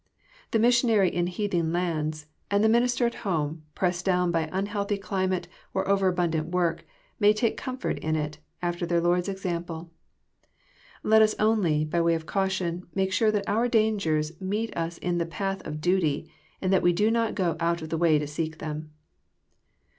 The missionary in heathen lands, and the minister at home, pressed down by unhealthy cli mate, or over abundant work, may take comfort in it, after their Lord's example. Let us only, by way of caution, make sure tbat our dangers meet us iu the path of ^uty, and that we do not go out of the way to seek them.